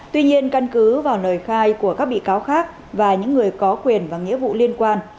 tuy nhiên căn cứ vào lời khai của các bị cáo khác và những người có quyền và nghĩa vụ liên quan